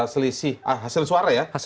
selisih hasil suara ya